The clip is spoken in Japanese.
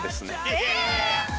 え！？